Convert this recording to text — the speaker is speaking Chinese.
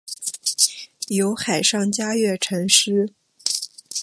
有海上嘉月尘诗。